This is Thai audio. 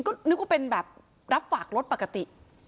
ก็นึกว่าเป็นแบบรับฝากรถปกติ